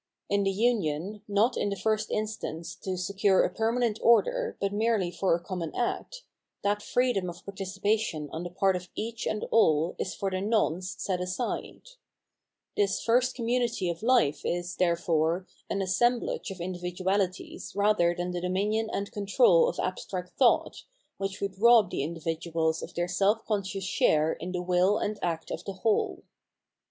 In the union, not in the first instance to secure a permanent order but merely for a common act, that freedom of participation * V. sup .. A,, b . 738 739 The Spiritual Work of Art on the part of each and all is for the nonce set aside. This first community of life is, therefore, an assemblage of individuahties rather than the dominion and control of abstract thought, which would rob the individuals of their self conscious share in the will and act of the whole.